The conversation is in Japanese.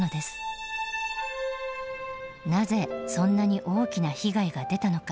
なぜそんなに大きな被害が出たのか？